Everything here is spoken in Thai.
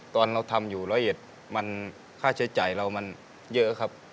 ตอนเราทำอยู่ร้อยเอ็ดมันค่าใช้จ่ายเรามันเยอะครับ